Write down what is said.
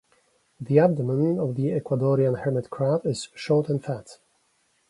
The abdomen of the Ecuadorian hermit crab is short and fat.